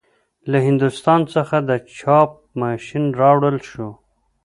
له هندوستان څخه د چاپ ماشین راوړل شو.